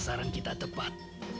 sasaran kita tepat